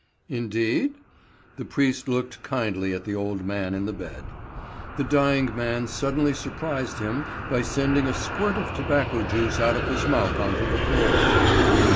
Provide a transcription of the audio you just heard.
"Indeed?" The priest looked kindly at the old man in the bed. The dying man suddenly surprised him by sending a squirt of tobacco juice out of his mouth on to the floor.